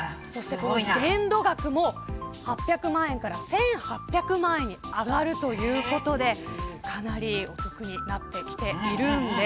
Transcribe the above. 限度額も８００万円から１８００万円に上がるということでかなりお得になってきているんです。